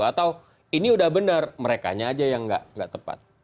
atau ini udah benar merekanya aja yang nggak tepat